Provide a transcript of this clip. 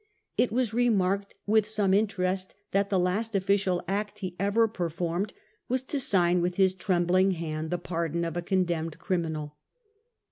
It was remarked with some interest that the last official act he ever performed was to sign with his trembling hand the pardon of a condemned cr imin al.